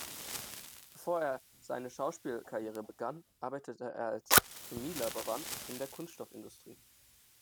Bevor er seine Schauspielkarriere begann, arbeitete er als Chemielaborant in der Kunststoffindustrie.